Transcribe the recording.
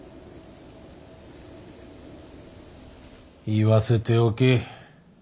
言わせておけ。